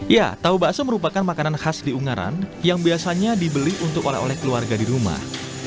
ya tahu bakso merupakan makanan khas di ungaran yang biasanya dibeli untuk oleh oleh keluarga di rumah